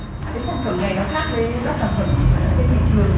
cái sản phẩm này nó khác với các sản phẩm trên thị trường